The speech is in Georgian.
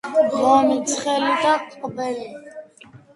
ღომი ცხელი და ყველი